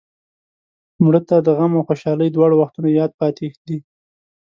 مړه ته د غم او خوشحالۍ دواړو وختونو یاد پاتې دی